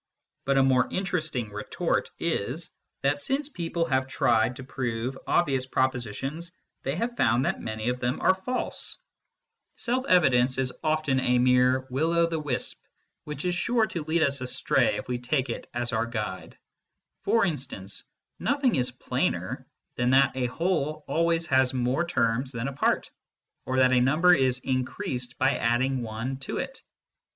But a more interesting retort is, that since people have tried to prove obvious propositions, they have found that many of them are false. Self 78 MYSTICISM AND LOGIC evidence is often a mere will o the wisp, which is sure to lead us astray if we take it as our guide. For instance, nothing is plainer than that a whole always has more terms than a part, or that a number is increased by add ing one to it.